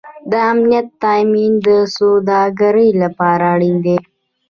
د امنیت تامین د سوداګرۍ لپاره اړین دی